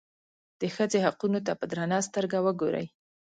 د ښځې حقونو ته په درنه سترګه وګوري.